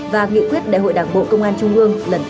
và nghị quyết đại hội đảng bộ công an trung ương lần thứ hai